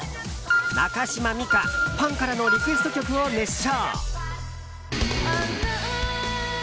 中島美嘉、ファンからのリクエスト曲を熱唱。